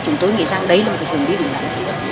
chúng tôi nghĩ rằng đấy là một hướng đi đúng